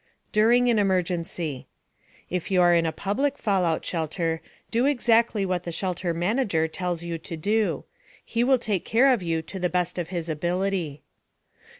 DURING AN EMERGENCY 1. If you are in a public fallout shelter, do exactly what the shelter manager tells you to do. He will take care of you to the best of his ability.